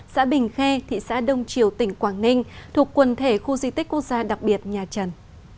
xã bình khe thị xã đông triều tỉnh quảng ninh thuộc quần thể khu di tích quốc gia đặc biệt nhà trần